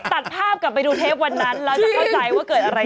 ตัดภาพกลับนับดูเทปวันนั้นเราจะเข้าใจกันอะไร